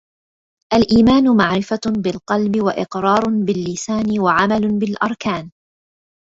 الإيمان معرفة بالقلب، وإقرار باللّسان، وعمل بالأركان.